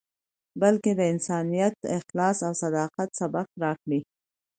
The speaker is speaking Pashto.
بلکې د انسانیت، اخلاص او صداقت، سبق راکړی.